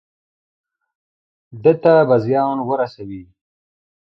ده ته به زیان ورسوي.